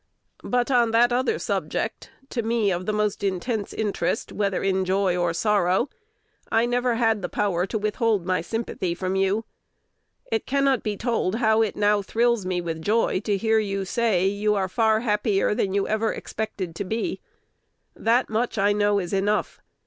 But on that other subject, to me of the most intense interest whether in joy or sorrow, I never had the power to withhold my sympathy from you. It cannot be told how it now thrills me with joy to hear you say you are "far happier than you ever expected to be." That much I know is enough.